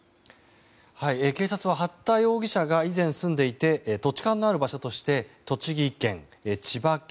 警察は八田容疑者が以前住んでいて土地勘のある場所として栃木県、千葉県